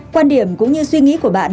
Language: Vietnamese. quan điểm cũng như suy nghĩ của bạn